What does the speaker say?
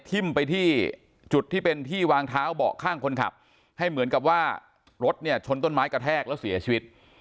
ทิ้มไปที่จุดที่เป็นที่วางเท้าเบาะข้างคนขับให้เหมือนกับว่ารถเนี่ยชนต้นไม้กระแทกแล้วเสียชีวิต